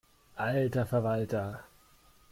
Alter Verwalter!